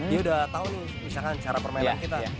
dia udah tahu nih misalkan cara permainan kita